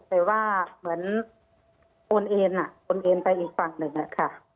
แต่ว่าเหมือนโอนเอ็นโอนเอ็นไปอีกฝั่งหนึ่งอะค่ะ